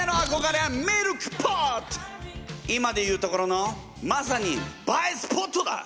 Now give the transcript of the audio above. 今で言うところのまさに映えスポットだ！